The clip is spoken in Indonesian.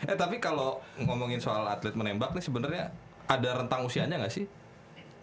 eh tapi kalau ngomongin soal atlet menembak nih sebenernya ada rentang usianya gak sih